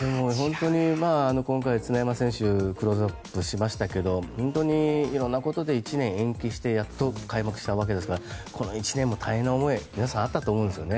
今回、常山選手をクローズアップしましたが本当に色んなことで１年延期してやっと開幕したわけですからこの１年も大変な思いが皆さんあったと思うんですよね。